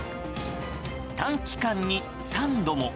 短期間に３度も。